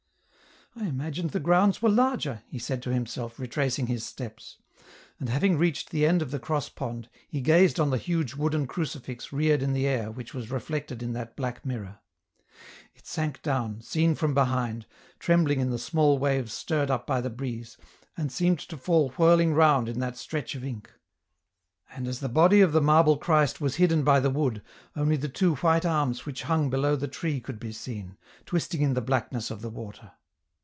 " I imagined the grounds were larger," he said to himself, retracing his steps ; and having reached the end of the cross pond, he gazed on the huge wooden crucifix reared in the air which was reflected in that black mirror. It sank down, seen from behind, trembling in the small waves stirred up by the breeze, and seemed to fall whirling round in that stretch of ink. And as the body of the marble Christ was hidden by the wood, only the two white arms which hung below the tree could be seen, twisted in the blackness of the water.